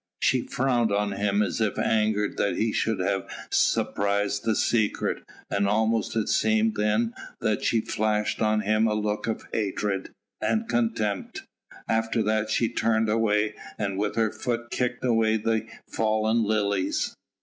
She frowned on him as if angered that he should have surprised a secret, and almost it seemed then that she flashed on him a look of hatred and contempt. After that she turned away, and with her foot kicked away the fallen lilies.